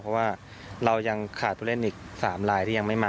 เพราะว่าเรายังขาดผู้เล่นอีก๓ลายที่ยังไม่มา